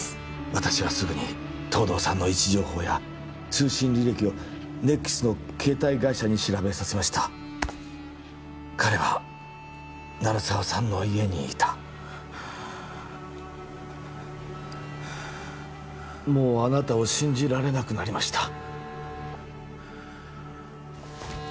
私はすぐに東堂さんの位置情報や通信履歴を ＮＥＸ の携帯会社に調べさせました彼は鳴沢さんの家にいたもうあなたを信じられなくなりました